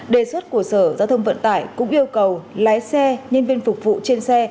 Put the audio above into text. đề xuất của sở giao thông vận tải cũng yêu cầu lái xe nhân viên phục vụ trên xe